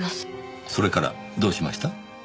それからどうしました？